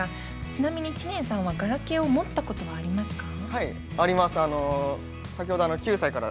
ちなみに知念さんはガラケーを持ったことはありますか？